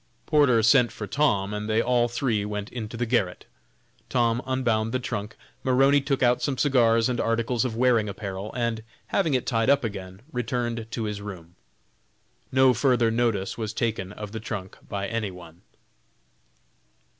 Porter sent for Tom, and they all three went into the garret. Tom unbound the trunk; Maroney took out some cigars and articles of wearing apparel, and, having it tied up again, returned to his room. No further notice was taken of the trunk by any one.